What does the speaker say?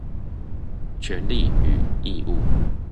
權利與義務